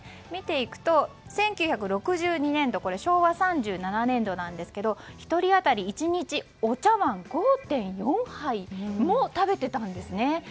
見ていくと、１９６２年度昭和３７年度ですが１人当たり１日お茶わん５．４杯も食べていたんですね。